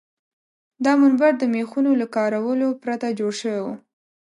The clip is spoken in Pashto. دا منبر د میخونو له کارولو پرته جوړ شوی و.